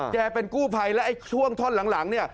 แกเป็นกู้ภัยแล้วช่วงทอดหลังนี่